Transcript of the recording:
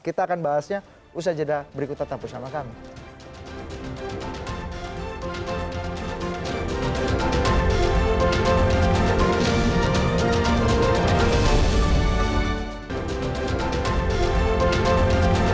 kita akan bahasnya usai jeda berikut tetap bersama kami